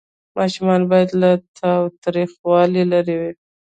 ماشومان باید له تاوتریخوالي لرې وي.